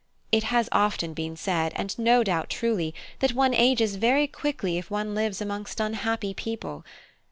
It has often been said, and no doubt truly, that one ages very quickly if one lives amongst unhappy people.